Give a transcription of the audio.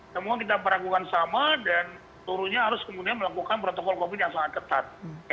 semua kita meragukan sama dan turunnya harus kemudian melakukan protokol covid yang sangat ketat